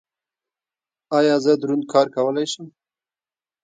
ایا زه دروند کار کولی شم؟